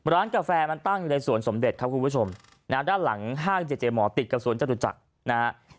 กาแฟมันตั้งอยู่ในสวนสมเด็จครับคุณผู้ชมนะฮะด้านหลังห้างเจเจหมอติดกับสวนจตุจักรนะฮะ